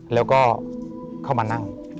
แล้วก็เข้ามานั่ง